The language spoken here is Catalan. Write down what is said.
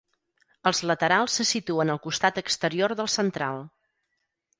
Els laterals se situen al costat exterior del central.